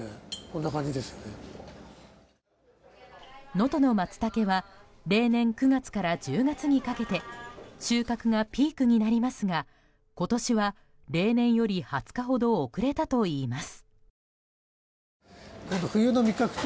能登のマツタケは例年９月から１０月にかけて収穫がピークになりますが今年は例年より２０日ほど遅れたといいます。